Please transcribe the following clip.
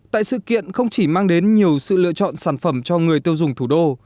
tại sự kiện không chỉ mang đến nhiều sự lựa chọn sản phẩm cho người tiêu dùng thủ đô